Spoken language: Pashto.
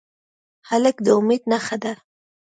هلک د امید نښه ده.